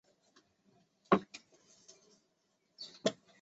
此后的法国汉学家伯希和与马伯乐都出自其门下。